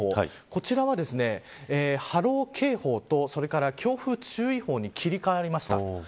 こちらは、波浪警報とそれから強風注意報に切り替わりました。